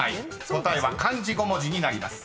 答えは漢字５文字になります］